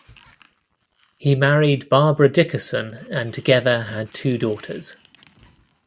He married Barbara Dickerson and together had two daughters.